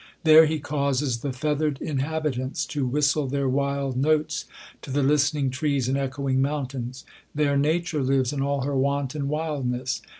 There he causes the feath ered inhabitants to whistle their wild notes to the listt^ ening trees and echoing mountains. There nature lives in all her wanton wildness.